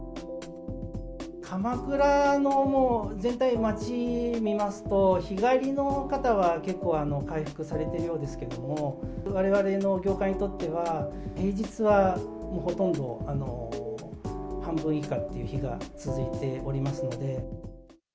鎌倉の全体の街見ますと、日帰りの方は結構、回復されてるようですけれども、われわれの業界にとっては、平日はほとんど、半分以下という日が続いておりますので。